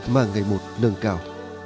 mà ngày một nâng cao